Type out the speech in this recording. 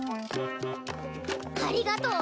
ありがとう。